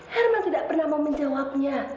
herman tidak pernah mau menjawabnya